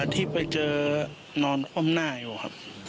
ที่ไปเจอนอนคว่ำหน้าอยู่ครับ